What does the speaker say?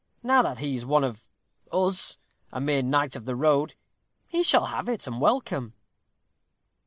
Now that he is one of 'us', a mere Knight of the Road, he shall have it and welcome."